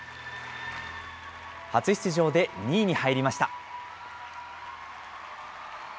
初出場で２位に入りました。